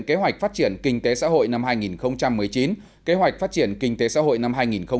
kế hoạch phát triển kinh tế xã hội năm hai nghìn một mươi chín kế hoạch phát triển kinh tế xã hội năm hai nghìn hai mươi